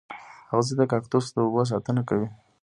اغزي د کاکتوس د اوبو ساتنه کوي